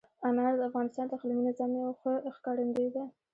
انار د افغانستان د اقلیمي نظام یوه ښه ښکارندوی ده.